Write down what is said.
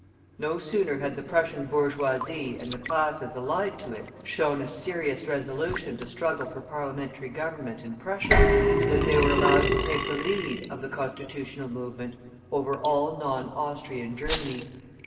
No sooner had the Prussian bourgeoisie and the classes allied to it shown a serious resolution to struggle for Parliamentary government in Prussia, than they were allowed to take the lead of the Constitutional movement over all non Austrian Germany.